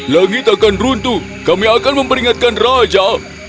langit akan runtuh kami akan memperingatkan raja